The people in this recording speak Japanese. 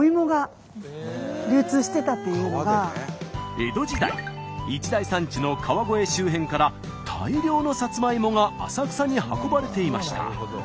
江戸時代一大産地の川越周辺から大量のさつまいもが浅草に運ばれていました。